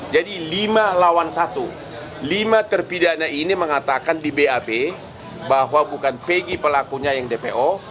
jadi lima lawan satu lima terpidana ini mengatakan di bap bahwa bukan pegi pelakunya yang dpo